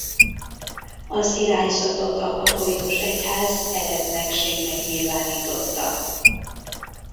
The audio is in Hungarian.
Az irányzatot a katolikus egyház eretnekségnek nyilvánította.